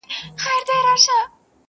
o که دي هوس دئ، نو دي بس دئ!